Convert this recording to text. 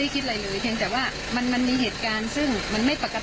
ก็ต้องทำตามขั้นตอนที่กฎหมายสมัยครับ